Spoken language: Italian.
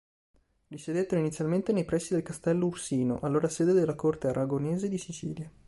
Risiedettero inizialmente nei pressi del castello Ursino, allora sede della Corte aragonese di Sicilia.